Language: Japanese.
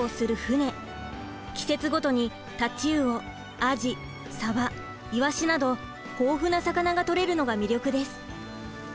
季節ごとに太刀魚アジサバイワシなど豊富な魚が取れるのが魅力です。